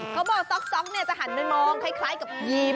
เขาบอกจ๊อกเนี่ยจะหันไปมองคล้ายกับยิ้ม